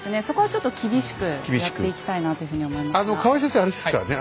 そこはちょっと厳しくやっていきたいなというふうに思いますが。